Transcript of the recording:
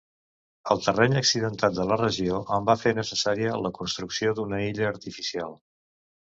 El terreny accidentat de la regió en va fer necessària la construcció d'una illa artificial.